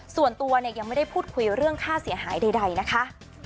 ส่วนตัวเนี่ยยังไม่ได้พูดคุยเรื่องค่าเสียหายใดนะคะ